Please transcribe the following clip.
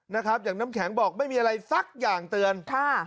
นะครับอย่างน้ำแข็งบอกไม่มีอะไรสักอย่างเตือนค่ะ